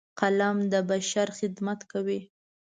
قلم د بشر خدمت کوي